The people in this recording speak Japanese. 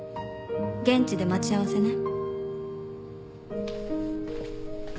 現地で待ち合わせね。